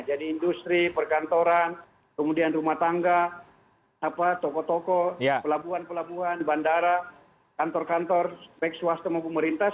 jadi industri perkantoran kemudian rumah tangga toko toko pelabuhan pelabuhan bandara kantor kantor baik swasta maupun pemerintah